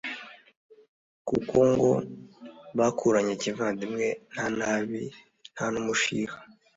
kuko ngo bakuranye kivandimwe, nta nabi nta n' umushiha.